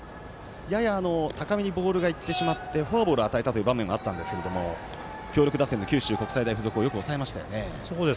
やや高めにボールがいってしまってフォアボールを与えたという場面があったんですけれども強力打線の九州国際大付属をよく抑えましたよね。